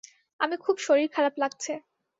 আমি খুব শরীর খারাপ লাগছে।